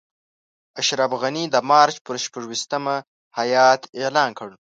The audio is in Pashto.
اشرف غني د مارچ پر شپږویشتمه هیات اعلان کړ.